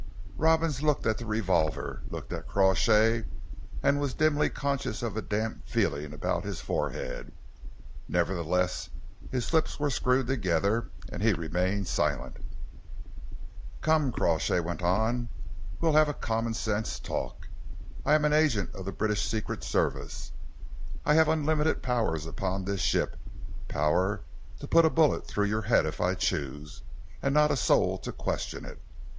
Robins looked at the revolver, looked at Crawshay, and was dimly conscious of a damp feeling about his forehead. Nevertheless, his lips were screwed together, and he remained silent. "Come," Crawshay went on, "we'll have a common sense talk. I am an agent of the British Secret Service. I have unlimited powers upon this ship, power to put a bullet through your head if I choose, and not a soul to question it.